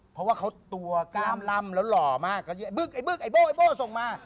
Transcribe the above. เพราะว่าเขาตัวกล้ามลำแล้วหล่อมากบึกไอ้บึกไอ้โบ้ไอ้โบ้ส่งมา